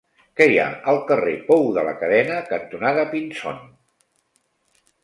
Què hi ha al carrer Pou de la Cadena cantonada Pinzón?